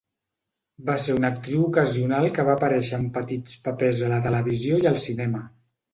Va ser una actriu ocasional que va aparèixer en petits papers a la televisió i el cinema.